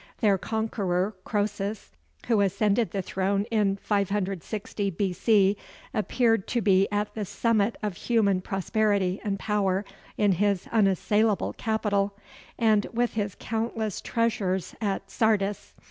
Their conqueror, Croesus, who ascended the throne in 560 B.C., appeared to be at the summit of human prosperity and power in his unassailable capital, and with his countless treasures at Sardis.